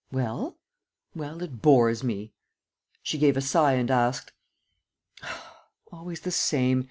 "Well?" "Well, it bores me." She gave a sigh and asked: "Always the same.